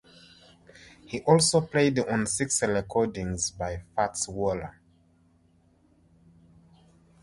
He also played on six recordings by Fats Waller.